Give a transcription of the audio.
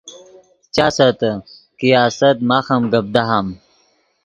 چاسیتے کہ آست ماخ ام گپ دہام